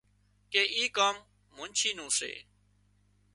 ڪي اي ڪام منڇي نُون سي